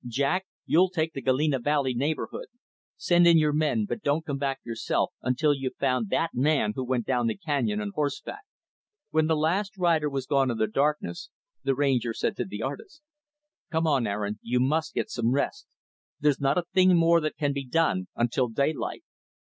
Jack, you'll take the Galena Valley neighborhood. Send in your men but don't come back yourself until you've found that man who went down the canyon on horseback." When the last rider was gone in the darkness, the Ranger said to the artist, "Come, Aaron, you must get some rest. There's not a thing more that can be done, until daylight."